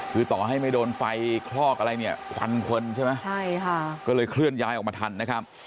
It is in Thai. คือต่อให้ไม่โดนไฟคลอกอะไรเนี่ยควันควันใช่ไหมใช่ค่ะก็เลยเคลื่อนย้ายออกมาทันนะครับ